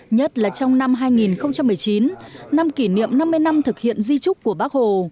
nhất là trong năm hai nghìn một mươi chín năm kỷ niệm năm mươi năm thực hiện di trúc của bác hồ